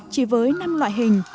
chỉ với năm loại hình